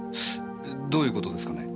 どういう事ですかね？